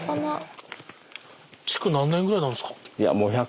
築何年ぐらいなんですか？